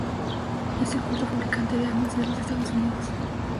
Es el cuarto fabricante de armas de los Estados Unidos.